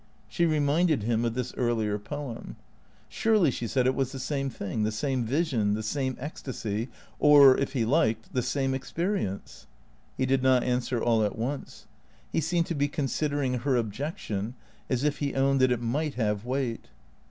She reminded him of this earlier poem. Surely, she said, it was the same thing, the same vision, the same ecstasy, or, if he liked, the same experience ? He did not answer all at once; he seemed to be considering her objection, as if he owned that it might have weight.